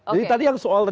jadi tadi yang soal